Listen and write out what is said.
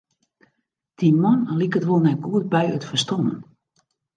Dy man liket wol net goed by it ferstân.